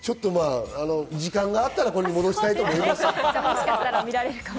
時間があったら、これに戻したいと思います。